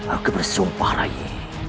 aku bersumpah rai